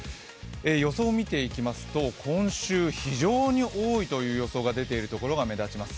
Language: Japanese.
予想を見ていきますと今週、非常に多いという予想が出ている所が目立ちます。